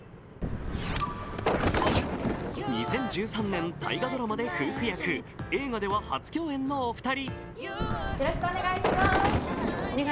２０１３年、大河ドラマで夫婦役、映画では初共演のお二人。